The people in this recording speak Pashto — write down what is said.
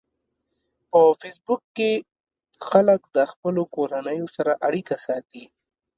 په فېسبوک کې خلک د خپلو کورنیو سره اړیکه ساتي